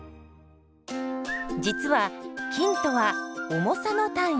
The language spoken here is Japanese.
実は「斤」とは「重さ」の単位。